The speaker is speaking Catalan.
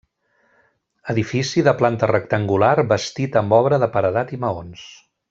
Edifici de planta rectangular bastit amb obra de paredat i maons.